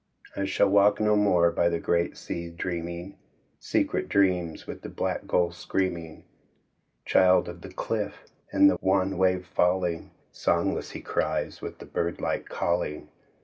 '' I shall walk no more by the great sea dreaming Secret dreams, with the black gull screaming. Child of the cliff and the wan wave f £dling, Songless he cries with no bird like calling.